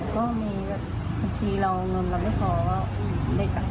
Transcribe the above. ก็มีแบบบางทีเราเงินเราไม่พอก็เด็กอ่ะ